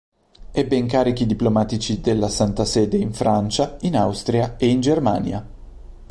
Ebbe incarichi diplomatici della Santa Sede in Francia, in Austria e in Germania.